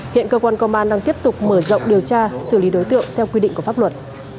hiện cơ quan công an đang tiếp tục mở rộng điều tra xử lý đối tượng theo quy định của pháp luật